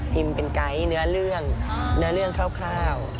เป็นไกด์เนื้อเรื่องเนื้อเรื่องคร่าว